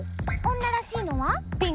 女らしいのは？